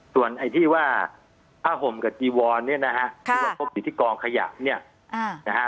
ส่วนไอ้ที่ว่าผ้าห่มกับจีวอนเนี้ยนะฮะค่ะที่ว่าพบอิทธิกรขยับเนี้ยอ่า